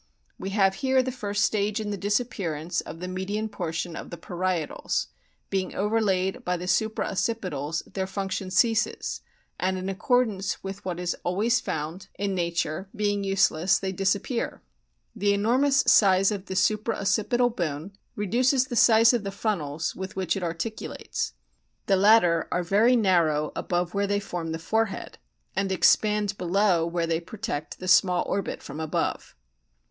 We have here the first stage in the disappearance of the median portion of the parie tals ; being overlaid by the supra occipitals their function ceases, and, in accordance with what is always found in 52 A BOOK OF~ WHALES nature, being useless they disappear. The enormous size of the supra occipital bone reduces the size of the frontals with which it articulates. The latter are very narrow above where they form the forehead, and expand below where they protect the small orbit from above.